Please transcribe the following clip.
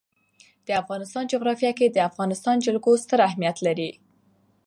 د افغانستان جغرافیه کې د افغانستان جلکو ستر اهمیت لري.